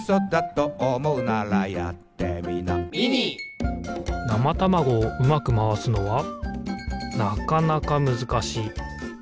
なまたまごをうまくまわすのはなかなかむずかしい。